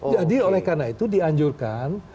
jadi oleh karena itu dianjurkan